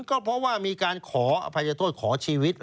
ก็เพราะว่ามีอภัยธถนศาลขอชีวิต